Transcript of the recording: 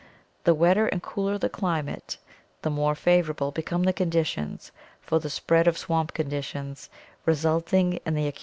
The wetter and cooler the climate, the more favorable become the conditions for the spread of swamp conditions, resulting in the accu